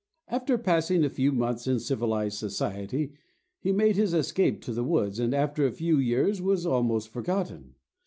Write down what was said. After passing a few months in civilized society, he made his escape to the woods, and after a few years was almost forgotten.